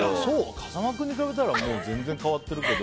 風間君に比べたら全然変わっているけど。